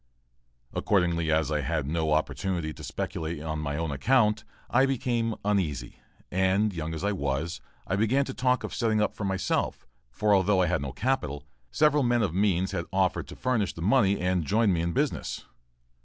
Accordingly, as I had no opportunity to speculate on my own account, I became uneasy, and, young as I was, I began to talk of setting up for myself; for, although I had no capital, several men of means had offered to furnish the money and join me in business.